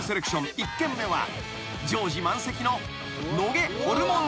１軒目は常時満席の］